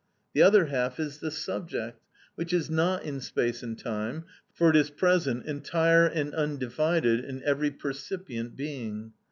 The other half is the subject, which is not in space and time, for it is present, entire and undivided, in every percipient being.